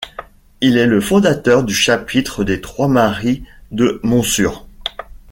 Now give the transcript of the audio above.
Il est le fondateur du chapitre des Trois-Maries de Montsûrs.